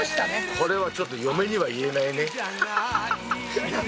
これは、ちょっと嫁には言えないね。